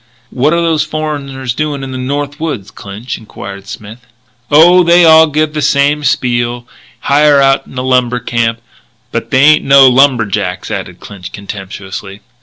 "What are those foreigners doing in the North Woods, Clinch?" enquired Smith. "Oh, they all give the same spiel hire out in a lumber camp. But they ain't no lumberjacks," added Clinch contemptuously.